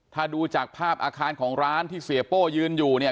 ถ้าดูจากภาพอาคารของร้านที่เสียโป้ยืนอยู่เนี่ย